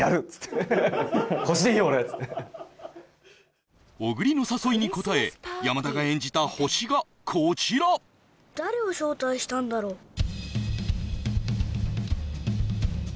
っつって小栗の誘いに応え山田が演じた星がこちら誰を招待したんだろう？